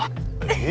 え？